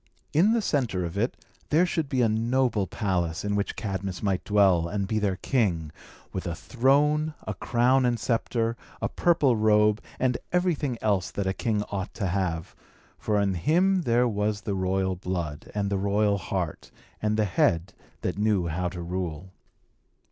In the centre of it there should be a noble palace, in which Cadmus might dwell, and be their king, with a throne, a crown and sceptre, a purple robe, and everything else that a king ought to have; for in him there was the royal blood, and the royal heart, and the head that knew how to rule.